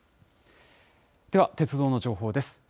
では鉄道の情報です。